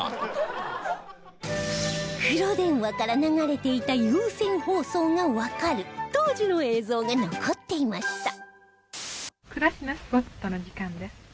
黒電話から流れていた有線放送がわかる当時の映像が残っていました